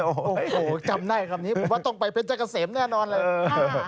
โอ้โหจำได้คำนี้ผมว่าต้องไปเพชรเจ้าเกษมแน่นอนเลย